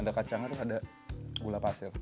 harus ketika menurut anda permittet wajib